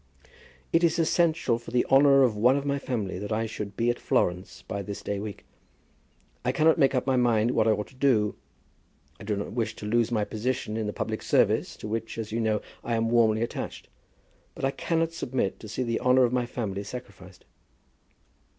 "It is essential for the honour of one of my family that I should be at Florence by this day week. I cannot make up my mind what I ought to do. I do not wish to lose my position in the public service, to which, as you know, I am warmly attached; but I cannot submit to see the honour of my family sacrificed!"